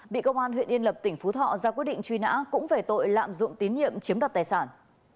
bị công an huyện yên lập tỉnh phú thọ ra quyết định truy nã cũng về tội lạm dụng tín nhiệm chiếm đoạt tài sản